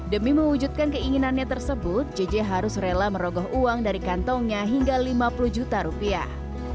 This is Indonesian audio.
demi mewujudkan keinginannya tersebut jj harus rela merogoh uang dari kantongnya hingga lima puluh juta rupiah